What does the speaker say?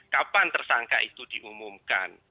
kapan tersangka itu diumumkan